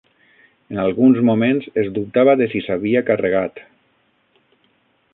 En alguns moments es dubtava de si s'havia carregat.